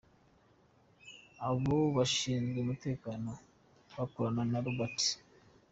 Abo bashinzwe umutekano bakorana na Robert S.